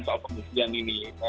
soal kebudayaan ini